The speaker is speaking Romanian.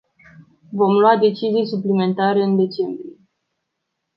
Vom lua decizii suplimentare în decembrie.